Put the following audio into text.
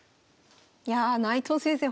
いや内藤先生